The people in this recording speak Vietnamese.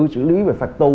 sử lý về phạt tu